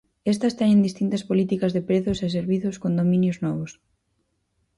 Estas teñen distintas políticas de prezos e servizos con dominios novos.